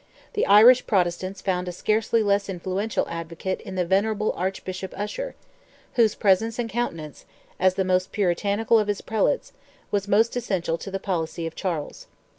The Irish Protestants found a scarcely less influential advocate in the venerable Archbishop Usher, whose presence and countenance, as the most puritanical of his prelates, was most essential to the policy of Charles.